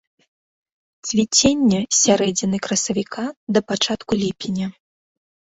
Цвіценне з сярэдзіны красавіка да пачатку ліпеня.